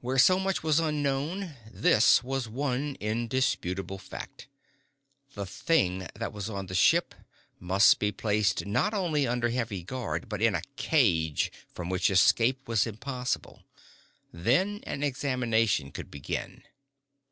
Where so much was unknown, this was one indisputable fact. The thing that was on the ship must be placed not only under heavy guard but in a cage from which escape was impossible. Then an examination could begin.